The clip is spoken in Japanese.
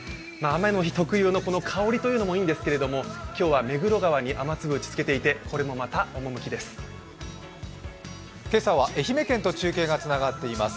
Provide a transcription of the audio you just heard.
雨の日特有の香りというのもいいんですけど今日は目黒川に雨粒が打ちつけていて、これもまた、趣です。